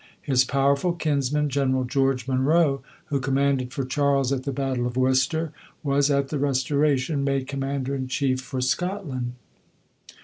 His powerful kinsman, General George Munro, who commanded for Charles at the battle of Worcester, was, at the Restoration, made commander in chief for Scotland.